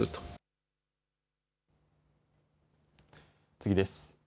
次です。